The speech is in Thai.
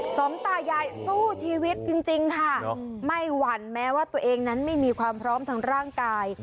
สองตายายสู้ชีวิตจริงค่ะไม่หวั่นแม้ว่าตัวเองนั้นไม่มีความพร้อมทางร่างกาย